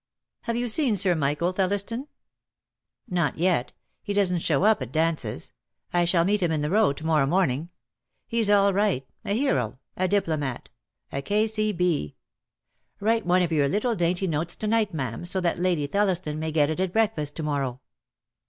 "Have you seen Sir Michael Thelliston?" "Not yet. He doesn't show up at dances. I shall meet him in the Row to morrow morning. He's all right — a hero — a. diplomat, a K.C.B. Write DEAD LOVE HAS CHAINS. I 65 one of your little dainty notes to night, ma'am, so that Lady Thelliston may get it at breakfast to mor row."